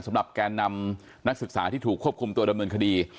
แกนนำนักศึกษาที่ถูกควบคุมตัวดำเนินคดี